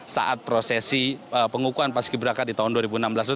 saat prosesi pengukuhan paski beraka di tahun dua ribu enam belas itu